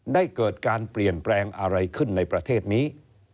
เกิดการเปลี่ยนแปลงอะไรขึ้นในประเทศนี้